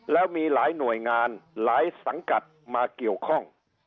แล้วมีหลายหน่วยงานหลายสังกัดมาเกี่ยวข้อง